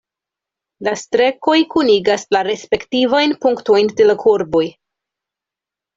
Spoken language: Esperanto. La strekoj kunigas la respektivajn punktojn de la kurboj.